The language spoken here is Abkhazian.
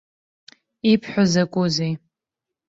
Ибҳәо закәызеи!